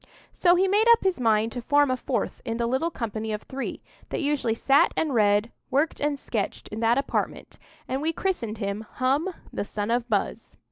So he made up his mind to form a fourth in the little company of three that usually sat and read, worked and sketched, in that apartment, and we christened him "Hum, the son of Buz."